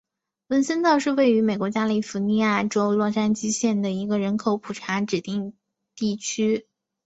文森特是位于美国加利福尼亚州洛杉矶县的一个人口普查指定地区。